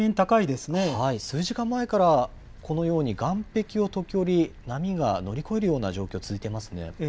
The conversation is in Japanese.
数時間前から、このように岸壁を時折、波が乗り越えるような状況、続いていますね。